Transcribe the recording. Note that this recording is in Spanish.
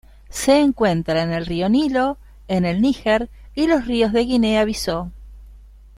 Se encuentra en el río Nilo, en el Níger y los ríos de Guinea-Bissau.